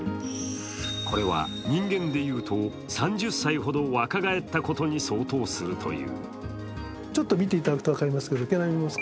これは人間で言うと３０歳ほど若返ったことに相当するという。